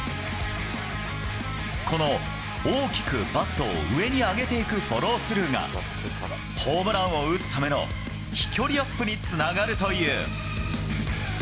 この大きくバットを上に上げていくフォロースルーが、ホームランを打つための飛距離アップにつながるという。